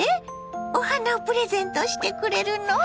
お花をプレゼントしてくれるの？